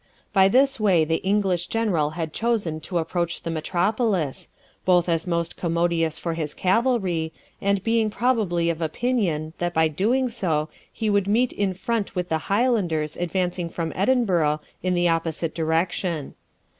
By this way the English general had chosen to approach the metropolis, both as most commodious for his cavalry, and being probably of opinion that by doing so he would meet in front with the Highlanders advancing from Edinburgh in the opposite direction.